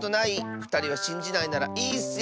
ふたりはしんじないならいいッスよ。